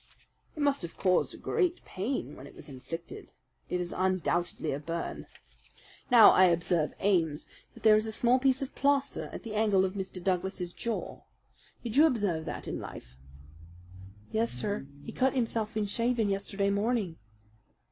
"It must have caused great pain when it was inflicted. It is undoubtedly a burn. Now, I observe, Ames, that there is a small piece of plaster at the angle of Mr. Douglas's jaw. Did you observe that in life?" "Yes, sir, he cut himself in shaving yesterday morning."